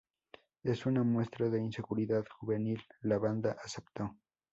En una muestra de ingenuidad juvenil, la banda aceptó.